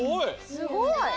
すごい！